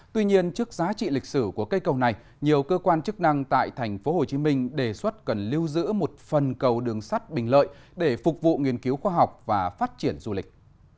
tuy nhiên trước giá trị lịch sử của cây cầu này nhiều cơ quan chức năng tại tp hcm đề xuất cần lưu giữ một phần cầu đường sắt bình lợi để phục vụ nghiên cứu khoa học và phát triển du lịch